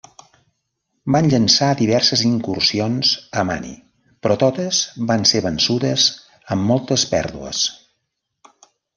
Van llançar diverses incursions a Mani, però totes van ser vençudes amb moltes pèrdues.